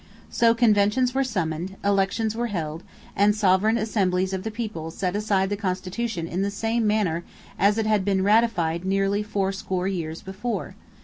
So conventions were summoned, elections were held, and "sovereign assemblies of the people" set aside the Constitution in the same manner as it had been ratified nearly four score years before.